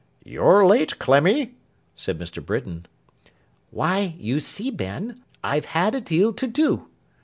'You're late, Clemmy!' said Mr. Britain. 'Why, you see, Ben, I've had a deal to do!